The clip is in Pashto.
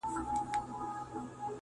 شرمنده یې کړ پاچا تر جنرالانو.!